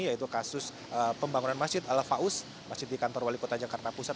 yaitu kasus pembangunan masjid al faus masjid di kantor wali kota jakarta pusat